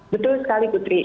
betul sekali putri